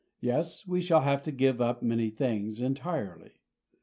Yes, we shall have to give up many things entirely.